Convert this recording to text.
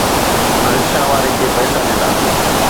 هن رڪشا واري کي پئسا ڏنا